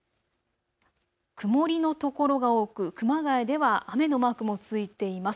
曇りの所が多く熊谷では雨のマークもついています。